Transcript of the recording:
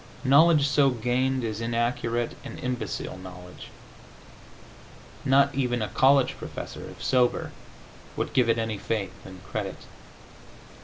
Knowledge so gained is inaccurate and imbecile knowledge. Not even a college professor, if sober, would give it any faith and credit.